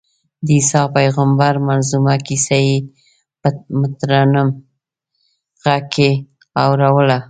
د عیسی پېغمبر منظمومه کیسه یې په مترنم غږ کې اورووله.